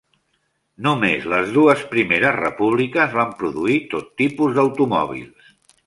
Només les dues primeres repúbliques van produir tot tipus d'automòbils.